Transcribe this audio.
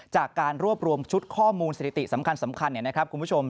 จากการรวบรวมชุดข้อมูลสถิติสำคัญนะครับคุณผู้ชม